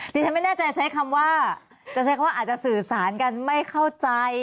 ดิฉันไม่แน่ใจใช้คำว่าจะใช้คำว่าอาจจะสื่อสารกันไม่เข้าใจ